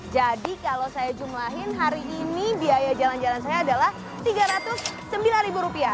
jadi kalau saya jumlahin hari ini biaya jalan jalan saya adalah rp tiga ratus sembilan